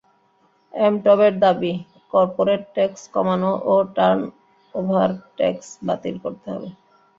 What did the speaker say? এমটবের দাবি, corporate tax কমানো ও টার্নওভার ট্যাক্স বাতিল করতে হবে।